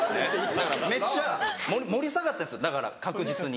めっちゃ盛り下がったんですよだから確実に。